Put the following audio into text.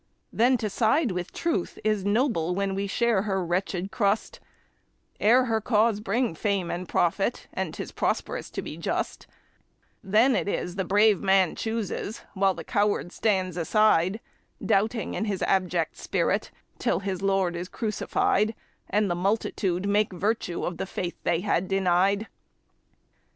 Then to side with Truth is noble when we share her wretched crust, Ere her cause bring fame and profit, and 'tis prosperous to be just; Then it is the brave man chooses, while the coward stands aside, Doubting in his abject spirit, till his Lord is crucified, And the multitude make virtue of the faith they had denied.